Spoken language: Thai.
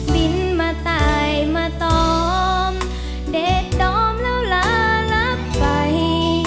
บินมาตายมาตอมเด็ดดอมแล้วลารับไป